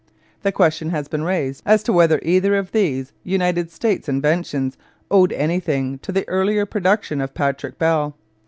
The question has been raised as to whether either of these United States inventions owed anything to the earlier production of Patrick Bell.